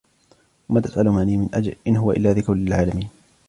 وما تسألهم عليه من أجر إن هو إلا ذكر للعالمين